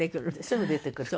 すぐ出てくる。